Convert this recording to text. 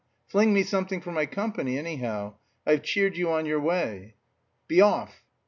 Fling me something for my company, anyhow. I've cheered you on your way." "Be off!"